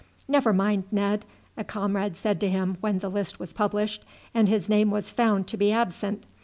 "Never mind, Ned," a comrade said to him when the list was published and his name was found to be absent.